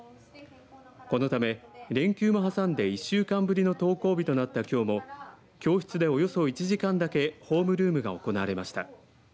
このため連休も挟んで１週間ぶりの登校日となったきょうも教室で、およそ１時間だけホームルームが行われました。